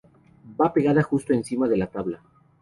Va pegada justo encima de la tabla.